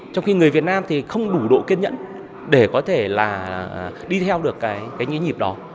trong khi người việt nam thì không đủ độ kiên nhẫn để có thể là đi theo được cái nhí nhịp đó